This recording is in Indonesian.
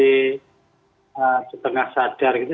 saya setengah sadar gitu